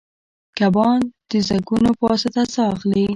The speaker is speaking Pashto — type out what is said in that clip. کبان د زګونو په واسطه ساه اخلي